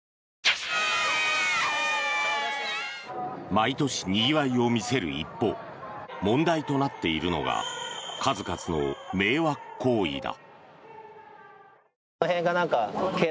毎年、にぎわいを見せる一方問題となっているのが数々の迷惑行為だ。